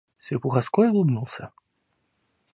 Серпуховской улыбнулся.